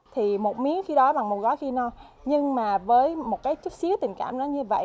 thì một miếng khi đó bằng một gói khi no nhưng mà với một chút xíu tình cảm như vậy